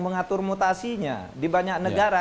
mengatur mutasinya di banyak negara